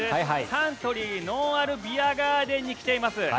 サントリーのんあるビアガーデンに来ています。